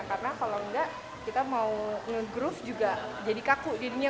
karena kalau enggak kita mau nge groove juga jadi kaku dirinya